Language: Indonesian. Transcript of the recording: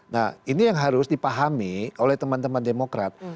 nah ini yang harus dipahami oleh teman teman demokrat